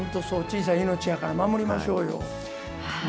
小さい命やから守りましょうよ。